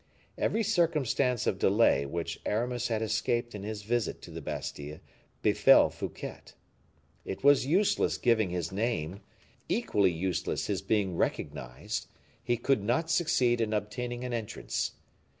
Every circumstance of delay which Aramis had escaped in his visit to the Bastile befell Fouquet. It was useless giving his name, equally useless his being recognized; he could not succeed in obtaining an entrance.